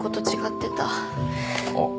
あっ。